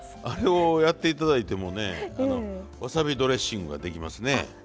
あれをやって頂いてもねわさびドレッシングができますね。